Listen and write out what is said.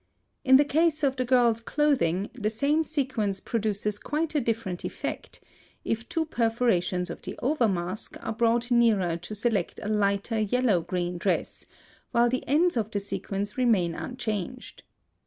In the case of the girl's clothing, the same sequence produces quite a different effect, if two perforations of the over mask are brought nearer to select a lighter yellow green dress, while the ends of the sequence remain unchanged.